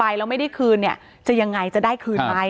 อ๋อเจ้าสีสุข่าวของสิ้นพอได้ด้วย